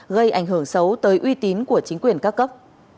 gây ảnh hưởng xấu tới uy tín của chính quyền các cấp